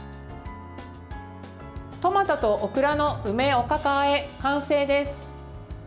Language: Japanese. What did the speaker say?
トマトとオクラの梅おかかあえ完成です。